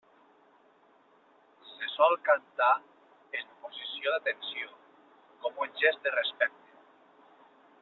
Se sol cantar en posició d'atenció, com un gest de respecte.